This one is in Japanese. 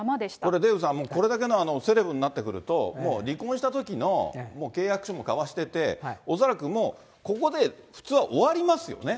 これ、デーブさん、これだけのセレブになってくると、もう離婚したときの契約書も交わしてて、恐らくもう、ここで普通は終わりますよね。